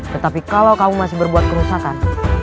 tetapi kalau kamu masih berbuat kerusakan